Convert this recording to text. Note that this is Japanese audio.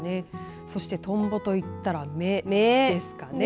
そしてとんぼといったら目ですかね。